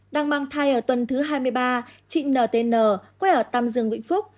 đang mang thai ở tuần thứ hai mươi ba chị n t l quay ở tâm dương vĩnh phúc